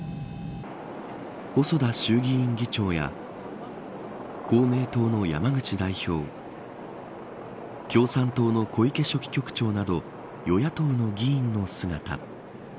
細田衆議院議長や公明党の山口代表共産党の小池書記局長など与野党の議員の姿。